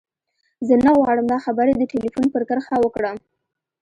زه نه غواړم دا خبرې د ټليفون پر کرښه وکړم.